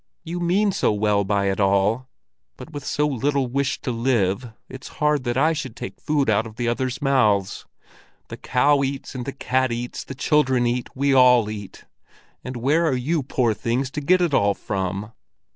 "You mean so well by it all. But with so little wish to live, it's hard that I should take the food out of the others' mouths. The cow eats, and the cat eats, the children eat, we all eat; and where are you, poor things, to get it all from!"